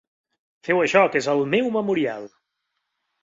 Feu això, que és el meu memorial.